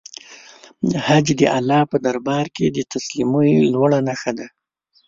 حج د الله په دربار کې د تسلیمۍ لوړه نښه ده.